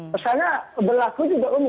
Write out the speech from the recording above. pesannya berlaku juga umum